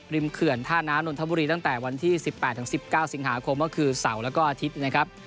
ริมเขื่อนท่าน้ำนทบุรีตั้งแต่วันที่๑๘๑๙สิงหาคมคือเสาร์และอาทิตย์